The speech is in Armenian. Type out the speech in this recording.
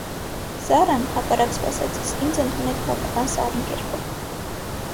Սառան, հակառակ սպասածիս, ինձ ընդունեց բավական սառն կերպով: